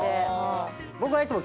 僕はいつも。